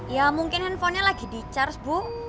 ya mungkin handphonenya lagi di charge bu